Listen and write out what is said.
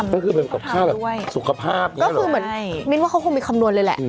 คือมีข้อบคุมที่ใกล้แค่มากกับของบิน